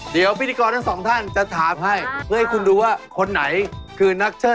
เดี๋ยวคุณเห็นว่าเมื่อกี้